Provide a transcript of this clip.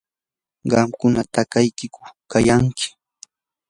¿qamkuna takiykuqku kayanki?